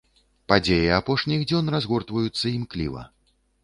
Падзеі апошніх дзён разгортваюцца імкліва.